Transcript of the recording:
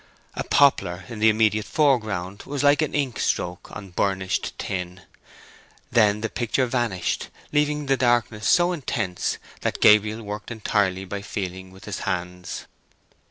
A poplar in the immediate foreground was like an ink stroke on burnished tin. Then the picture vanished, leaving the darkness so intense that Gabriel worked entirely by feeling with his hands.